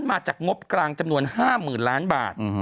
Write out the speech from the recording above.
มาจากงบกลางจำนวน๕๐๐๐ล้านบาท